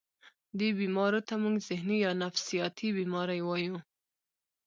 دې بيمارو ته مونږ ذهني يا نفسياتي بيمارۍ وايو